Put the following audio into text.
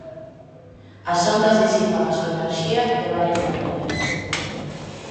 As ondas disipan a súa enerxía de varias maneiras.